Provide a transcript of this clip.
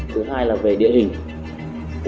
thứ hai là về địa hình